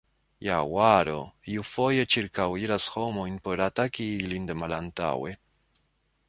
Jaguaro iufoje ĉirkaŭiras homojn por ataki ilin de malantaŭe.